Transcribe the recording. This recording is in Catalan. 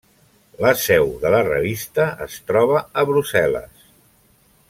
La seu de la revista es troba a Brussel·les.